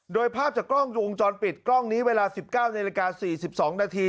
โดยภาพจากกล้องวงจรปิดกล้องนี้เวลา๑๙นาฬิกา๔๒นาที